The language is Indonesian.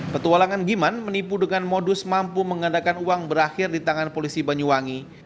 petualangan giman menipu dengan modus mampu menggandakan uang berakhir di tangan polisi banyuwangi